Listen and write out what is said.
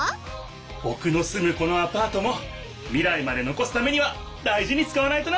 ぼくのすむこのアパートも未来まで残すためには大事に使わないとな！